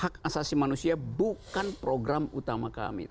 hak asasi manusia bukan program utama kami